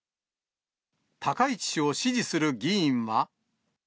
高市氏を支持する議員は。